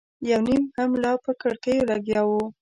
یو نيم هم لا په کړکيو لګیا و.